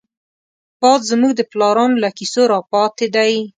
باد زمونږ د پلارانو له کيسو راپاتې دی